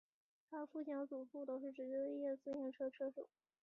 他的父亲和祖父都是职业自行车车手。